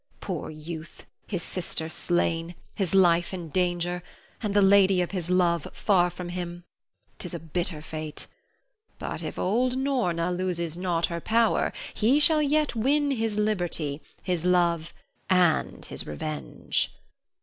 Poor youth, his sister slain, his life in danger, and the lady of his love far from him, 'tis a bitter fate. But, if old Norna loses not her power, he shall yet win his liberty, his love, and his revenge.